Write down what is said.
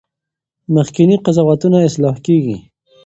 مخکني قضاوتونه اصلاح کیږي.